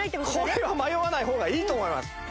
これは迷わない方がいいと思います